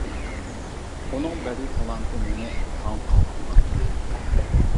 ئۇنىڭ بەدىئىي تالانتى مېنى تاڭ قالدۇرغان ئىدى.